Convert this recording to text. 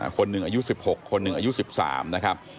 คนหนึ่งอายุสิบหกคนหนึ่งอายุสิบสามนะครับ